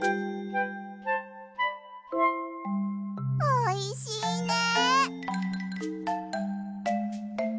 おいしいね。